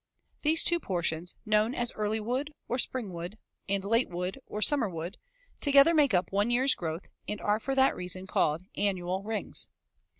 These two portions, known as early wood or spring wood, and late wood or summer wood, together make up one year's growth and are for that reason called annual rings.